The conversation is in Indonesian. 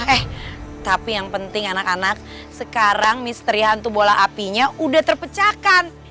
eh tapi yang penting anak anak sekarang misteri hantu bola apinya udah terpecahkan